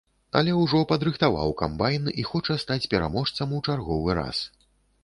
Але ўжо падрыхтаваў камбайн і хоча стаць пераможцам у чарговы раз.